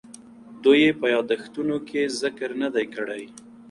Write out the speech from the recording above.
دوی یې په یادښتونو کې ذکر نه دی کړی.